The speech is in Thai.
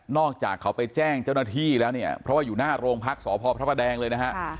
อกจากเขาไปแจ้งเจ้าหน้าที่แล้วเนี่ยเพราะว่าอยู่หน้าโรงพักษพพระแดงเลยนะฮะ